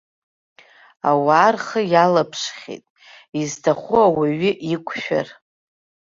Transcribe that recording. Ауаа рхы иалԥшхьеит, изҭаху ауаҩы иқәшәар.